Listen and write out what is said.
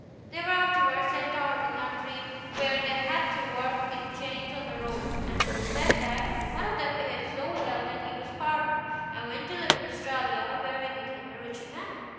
They were afterward sent out of the country, where they had to work in chains on the roads ; and it is said that one of them behaved so well that he was pardoned, and went to live at Australia, where he became a rich man.